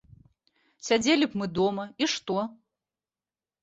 Сядзелі б мы дома і што?